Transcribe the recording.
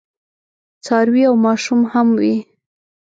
څاروي او ماشوم هم وي.